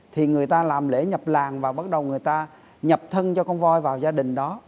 thì người ta làm lễ nhập làng và bắt đầu người ta nhập thân cho con voi vào gia đình đó